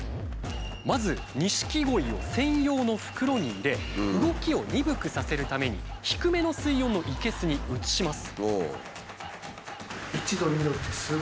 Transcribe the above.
まず錦鯉を専用の袋に入れ動きを鈍くさせるために低めの水温の生けすに移します。